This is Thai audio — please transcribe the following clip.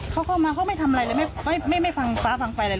เขาเข้ามาเขาไม่ทำอะไรเลยไม่ฟังฟ้าฟังไฟอะไร